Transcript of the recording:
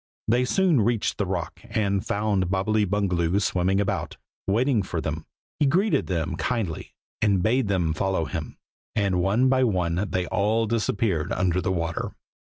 They soon reached the rock, and found Bobbily Bungaloo swimming about, waiting for them. He greeted them kindly, and bade them follow him, and one by one they all disappeared under the water.